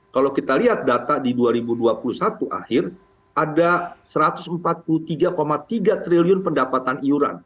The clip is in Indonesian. kalau kita lihat data di dua ribu dua puluh satu akhir ada satu ratus empat puluh tiga tiga triliun pendapatan iuran